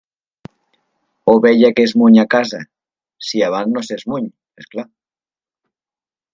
Ovella que es muny a casa, si abans no s'esmuny, esclar.